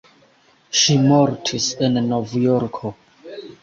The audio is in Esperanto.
Ŝi mortis en Novjorko.